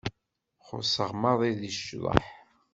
Xuṣṣeɣ maḍi deg ccḍeḥ.